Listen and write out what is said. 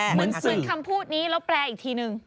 เหมือนคำพูดนี้แล้วแปลอีกทีนึง